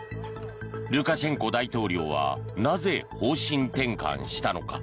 ルカシェンコ大統領はなぜ、方針転換したのか。